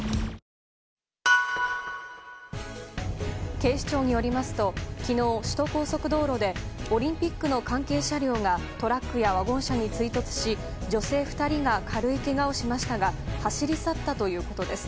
警視庁によりますと昨日、首都高速道路でオリンピックの関係車両がトラックやワゴン車に追突し女性２人が軽いけがをしましたが走り去ったということです。